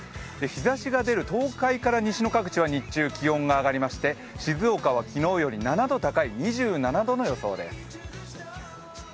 日ざしが出る東海から西の各地は日中気温が上がりまして静岡は昨日より７度高い２７度の予想です。